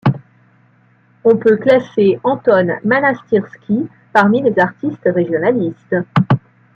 On peut classer Anton Manastirski parmi les artistes régionalistes.